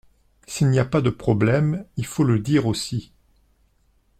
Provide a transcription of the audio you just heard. S’il n’y a pas de problème il faut le dire aussi.